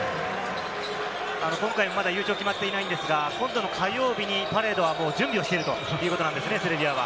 今回も、まだ優勝は決まってないですが、今度の火曜日にパレードが準備をしているということですね、セルビアは。